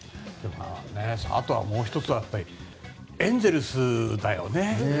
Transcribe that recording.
あともう１つはエンゼルスだよね。